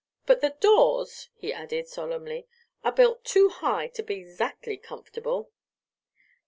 But the doors," he added, solemnly, "are built too high up to be 'zactly comf'table."